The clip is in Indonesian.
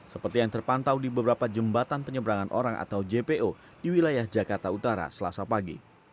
seperti yang terpantau di beberapa jembatan penyeberangan orang atau jpo di wilayah jakarta utara selasa pagi